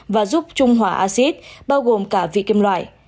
và giúp trung hòa acid bao gồm cả vị kim loại